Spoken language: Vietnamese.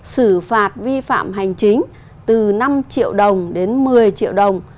xử phạt vi phạm hành chính từ năm triệu đồng đến một mươi triệu đồng